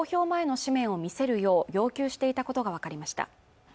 前の誌面を見せるよう要求していたことが分かりました